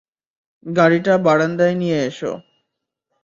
গাড়িটা বারান্দায় নিয়ে এসো।